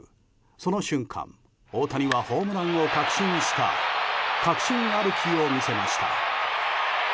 その瞬間大谷はホームランを確信した確信歩きを見せました。